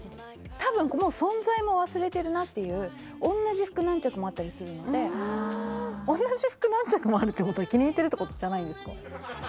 多分もう存在も忘れてるなっていう同じ服何着もあったりするので同じ服何着もあるっていうことは気に入ってるってことじゃないんですか？